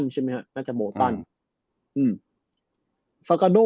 ใช่ไหมฮะงักจะเออ